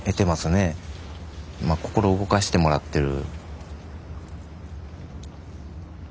まあ心を動かしてもらってる。